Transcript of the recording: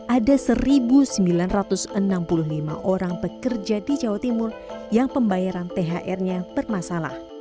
ada satu sembilan ratus enam puluh lima orang pekerja di jawa timur yang pembayaran thr nya bermasalah